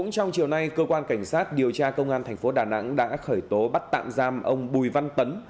trong chiều nay cơ quan cảnh sát điều tra công an thành phố đà nẵng đã khởi tố bắt tạm giam ông bùi văn tấn